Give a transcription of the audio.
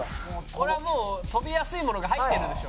「これはもう飛びやすいものが入ってるでしょ」